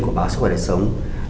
của báo sức khỏe đại sống